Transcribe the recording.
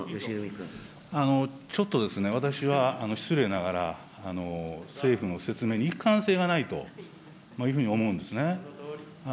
ちょっとですね、私は失礼ながら、政府の説明に一貫性がないというふうに思うんですね。